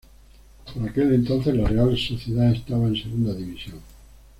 Por aquel entonces la Real Sociedad estaba en Segunda división.